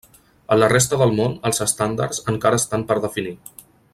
A la resta del món els estàndards encara estan per definir.